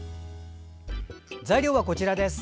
材料は、こちらです。